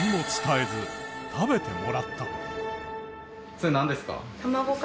それなんですか？